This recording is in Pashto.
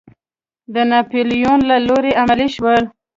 د ناپیلیون له لوري عملي شول.